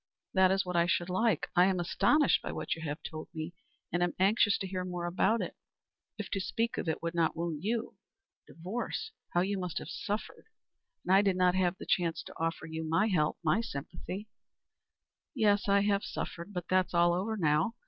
"That is what I should like. I am astonished by what you have told me, and am anxious to hear more about it, if to speak of it would not wound you. Divorced! How you must have suffered! And I did not have the chance to offer you my help my sympathy." "Yes, I have suffered. But that is all over now.